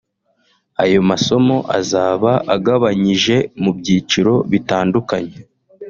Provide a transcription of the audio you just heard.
Ayo masomo azaba agabanyije mu byiciro bitandukanye